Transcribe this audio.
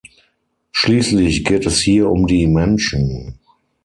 Schließlich geht es hier um die Menschen.